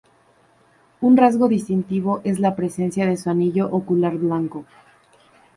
Un rasgo distintivo es la presencia de su anillo ocular blanco.